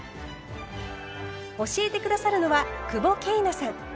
教えて下さるのは久保桂奈さん。